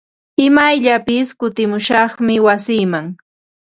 Imayllapis kutimushaqmi wasiiman.